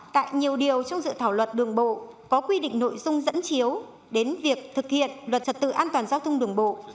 tại nhiều điều trong dự thảo luật đường bộ có quy định nội dung dẫn chiếu đến việc thực hiện luật trật tự an toàn giao thông đường bộ